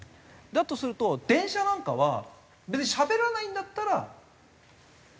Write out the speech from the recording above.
だとすると電車なんかは別にしゃべらないんだったら外しても大丈夫？